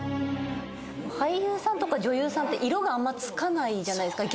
俳優さんとか女優さんって色があんまつかないじゃないですか